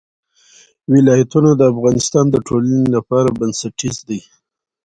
ولایتونه د افغانستان د ټولنې لپاره بنسټیز دي.